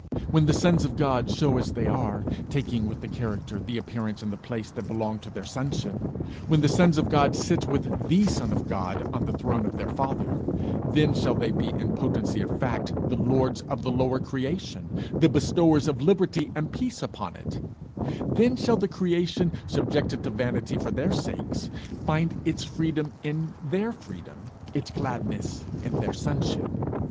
When the sons of God show as they are, taking, with the character, the appearance and the place that belong to their sonship; when the sons of God sit with the Son of God on the throne of their Father; then shall they be in potency of fact the lords of the lower creation, the bestowers of liberty and peace upon it; then shall the creation, subjected to vanity for their sakes, find its freedom in their freedom, its gladness in their sonship.